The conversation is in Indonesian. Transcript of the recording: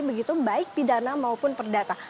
begitu baik pidana maupun perdata